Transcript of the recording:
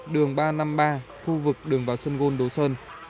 đường ba trăm năm mươi ba khu vực đường vào sân gôn đồ sơn